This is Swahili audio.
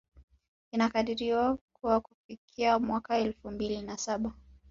Inakadiriwa kuwa kufikia mwaka elfu mbili na saba